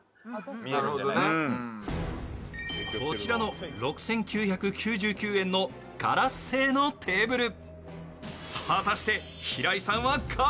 こちらの６９９９円のガラス製のテーブル。